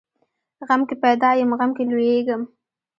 غم کې پیدا یم، غم کې لویېږم.